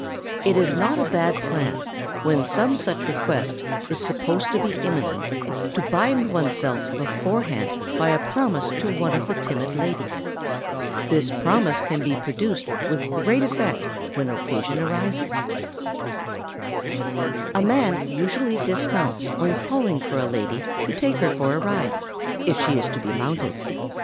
It is not a bad plan when some such request is supposed to be imminent to bind oneself beforehand by a promise to one of the timid ladies. This promise can be produced with great effect when occasion arises. [Sidenote: On dismounting, when calling for a lady.] A man usually dismounts when calling for a lady to take her for a ride, if she is to be mounted.